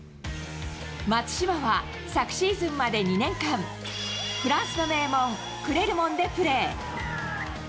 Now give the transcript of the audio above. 松島は、昨シーズンまで２年間、フランスの名門、クレルモンでプレー。